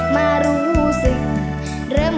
มารู้สึก